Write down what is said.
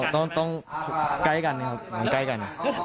ต้องใกล้กันครับ